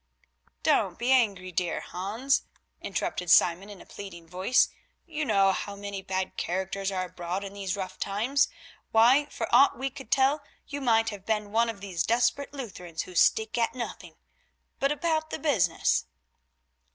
"Don't be angry, dear Hans," interrupted Simon in a pleading voice. "You know how many bad characters are abroad in these rough times; why, for aught we could tell, you might have been one of these desperate Lutherans, who stick at nothing. But about the business?"